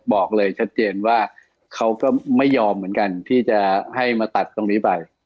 บอกเลยชัดเจนว่าเขาก็ไม่ยอมเหมือนกันที่จะให้มาตัดตรงนี้ไป